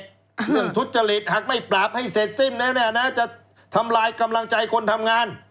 เรื่องทุจริตหากไม่ปราบให้เสร็จสิ้นแล้วเนี่ยนะจะทำลายกำลังใจคนทำงาน